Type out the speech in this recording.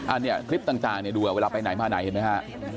อันนี้คลิปต่างเนี่ยดูเวลาไปไหนมาไหนเห็นไหมฮะ